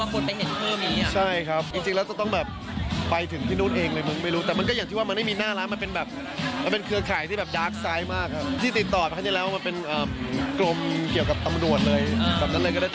คุมใจเขายังไงบ้างเพราะว่าเขาต้องเห็นอย่างนี้ซับเรื่อยอะไรอย่างนี้